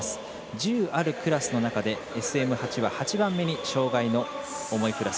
１０あるクラスの中でＳＭ８は８番目に障がいの重いクラス。